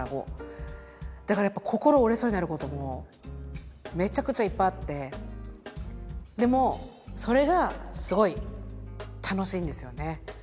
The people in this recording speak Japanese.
だからやっぱ心折れそうになることもめちゃくちゃいっぱいあってでもそれがすごい楽しいんですよね。